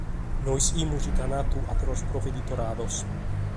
No ischimus ite ant fatu àteros Proveditorados.